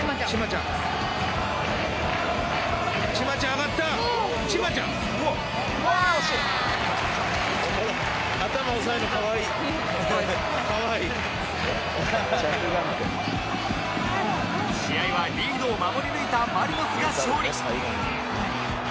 「着眼点」試合はリードを守り抜いたマリノスが勝利